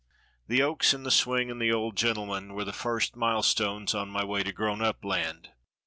The oaks and the swing and the old gentleman were the first milestones on my way to Grown Up Land.